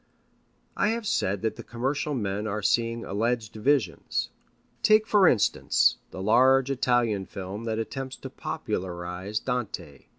I have said that the commercial men are seeing alleged visions. Take, for instance, the large Italian film that attempts to popularize Dante.